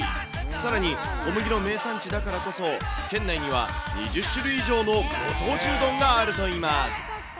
さらに、小麦の名産地だからこそ、県内には２０種類以上のご当地うどんがあるといいます。